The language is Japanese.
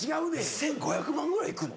１５００万ぐらいいくの？